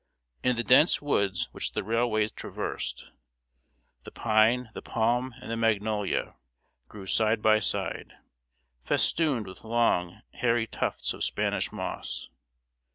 In the dense woods which the railways traversed, the pine, the palm and the magnolia, grew side by side, festooned with long, hairy tufts of Spanish moss.